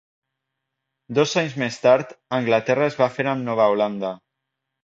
Dos anys més tard, Anglaterra es va fer amb Nova Holanda.